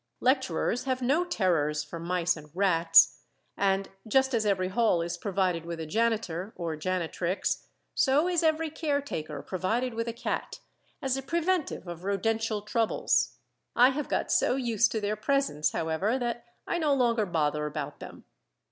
Lecturers have no terrors for mice and rats, and just as every hall is provided with a janitor, or janitrix, so is every caretaker provided with a cat, as a preventive of rodential troubles. I have got so used to their presence, however, that I no longer bother about them.